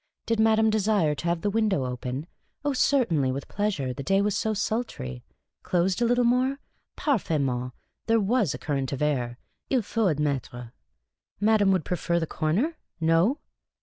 Did madame desire to have the window open ? Oh, certainly, with pleasure ; the day was so sultry. Closed a little more ? Parfaitetnejit, that was a current of air, il faut Vadmertre. Madame would prefer the corner ? No